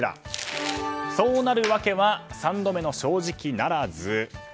そうなる訳は三度目の正直ならず。